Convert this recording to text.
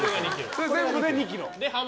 それ全部で２ｋｇ。